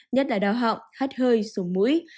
nhất là đau họng hát hơi sùng mũi